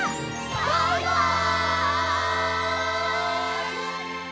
バイバイ！